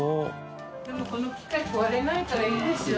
晃子さん）でもこの機械壊れないからいいですよ。